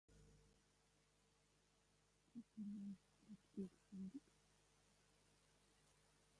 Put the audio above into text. Ko tur var iekšā likt.